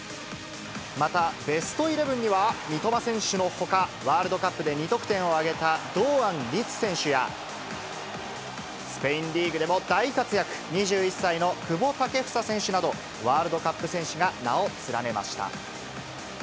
また、ベストイレブンには、三笘選手のほか、ワールドカップで２得点を挙げた堂安律選手や、スペインリーグでも大活躍、２１歳の久保建英選手など、ワールドカップ戦士が名を連ねました。